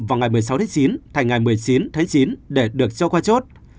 vào ngày một mươi sáu chín thành ngày một mươi chín chín để được cho qua chốt